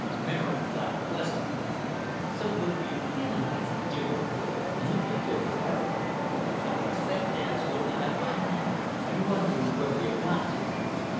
Mary laughed pleasantly. "So good for you feeling that, dear old boy, and equally good for Eric. I expect dad has woken up by now, and wondering where we have got to."